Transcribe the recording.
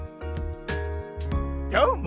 どーも！